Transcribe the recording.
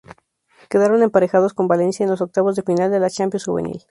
Quedaron emparejados con Valencia en los octavos de final de la Champions Juvenil.